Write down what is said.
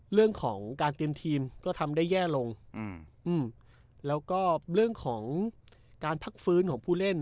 เรื่องของการเตรียมทีมก็ทำได้แย่ลงอืมแล้วก็เรื่องของการพักฟื้นของผู้เล่น